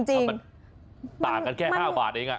จริงต่างกันแค่๕บาทเอง